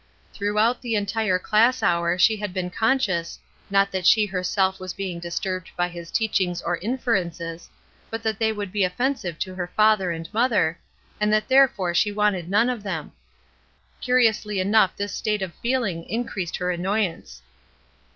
Throughout the entire class hour she had been conscious, not that she herself was being dis turbed by his teachings or inferences, but that they would be offensive to her father and mother, and that therefore she wanted none of them. Curiously enough this state of feeling increased her annoyance.